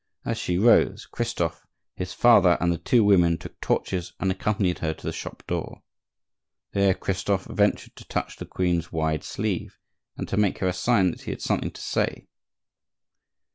As she rose, Christophe, his father, and the two women took torches and accompanied her to the shop door. There Christophe ventured to touch the queen's wide sleeve and to make her a sign that he had something to say.